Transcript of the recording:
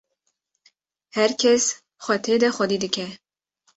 her kes xwe tê de xwedî dike